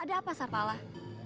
ada apa sarpalah